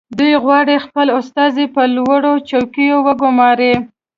دوی غواړي خپل استازي په لوړو چوکیو وګماري